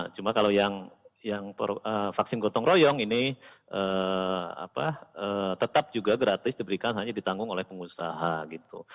cuma kalau yang vaksin gotong royong ini tetap juga gratis diberikan hanya ditanggung oleh pengusaha gitu